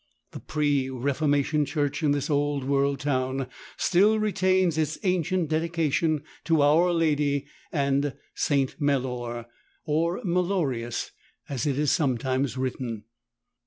The pre Reformation church in this old world town still retains its ancient dedication to Our Lady and St. Melor — or Melorius, as it is sometimes written.